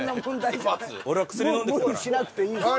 無理しなくていいです。